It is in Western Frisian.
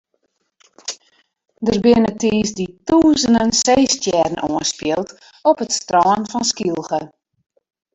Der binne tiisdei tûzenen seestjerren oanspield op it strân fan Skylge.